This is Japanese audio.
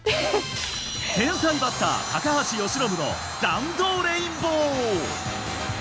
天才バッター、高橋由伸の弾道レインボー。